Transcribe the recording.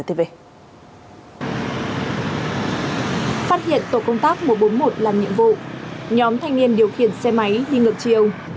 phát hiện tổ công tác một trăm bốn mươi một làm nhiệm vụ nhóm thanh niên điều khiển xe máy đi ngược chiều